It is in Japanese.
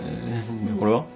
これは？